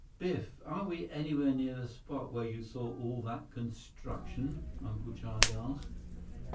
"Biff, are we anywhere near the spot where you saw all that construction?" Uncle Charlie asked.